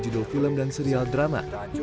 judul film dan serial drama